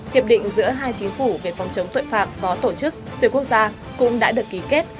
hiệp định giữa hai chính phủ về phòng chống tội phạm có tổ chức xuyên quốc gia cũng đã được ký kết